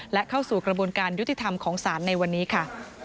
และเข้าสู่กระบวนการยุติธรรมของศาลในวันนี้ค่ะ